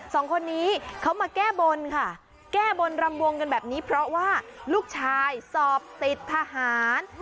สองคนนี้เขามาแก้บนค่ะแก้บนรำวงกันแบบนี้เพราะว่าลูกชายสอบติดทหาร